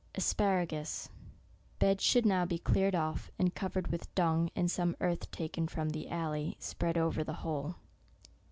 ASPARAGUS beds should now be cleared off, and covered with dung, and some earth, taken from the alley, spread over the whole.